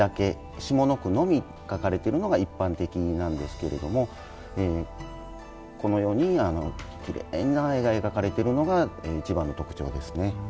下の句のみ書かれているのが一般的なんですけれどもこのようにきれいな絵が描かれているのが一番の特徴ですね。